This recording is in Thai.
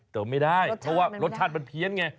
ไม่ได้เพราะว่ารสชาติมันเพี้ยนไง